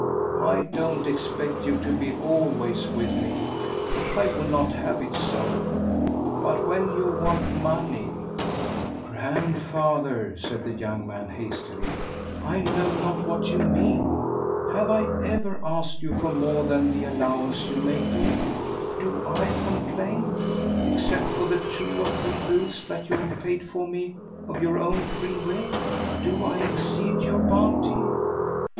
I don't expect you to be always with me; I would not have it so; but when you want money " "Grandfather," said the young man hastily, "I know not what you mean. Have I ever asked for more than the allowance you make me? Do I complain? Except for the two or three bills that you have paid for me of your own free will, do I exceed your bounty?"